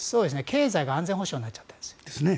経済が安全保障になっちゃってるんです。